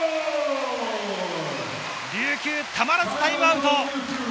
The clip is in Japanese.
琉球、たまらずタイムアウト。